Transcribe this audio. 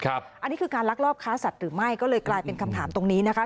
อันนี้คือการลักลอบค้าสัตว์หรือไม่ก็เลยกลายเป็นคำถามตรงนี้นะคะ